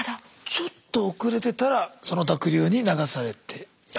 ちょっと遅れてたらその濁流に流されていた。